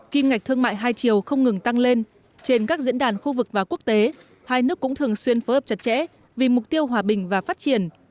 kim ngạch thương mại hai chiều không ngừng tăng lên trên các diễn đàn khu vực và quốc tế hai nước cũng thường xuyên phối hợp chặt chẽ vì mục tiêu hòa bình và phát triển